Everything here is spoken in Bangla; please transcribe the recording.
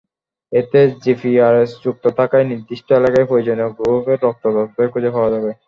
এতে জিপিআরএস যুক্ত থাকায় নির্দিষ্ট এলাকার প্রয়োজনীয় গ্রুপের রক্তদাতাদের খুঁজে পাওয়া যাবে।